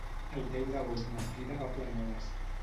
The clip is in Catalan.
El deu d'agost na Frida va a Planoles.